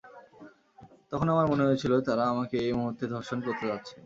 তখন আমার মনে হয়েছিল, তারা আমাকে এই মুহূর্তে ধর্ষণ করতে যাচ্ছে।